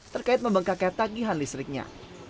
terkait membengkaknya tagihan listriknya